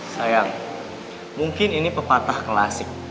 sayang mungkin ini pepatah klasik